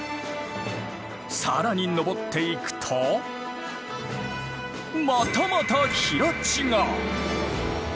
更に上っていくとまたまた平地が！